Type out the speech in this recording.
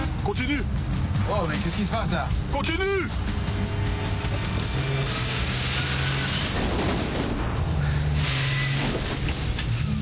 よし。